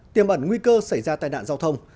tiêm ẩn nguy cơ xảy ra tai nạn giao thông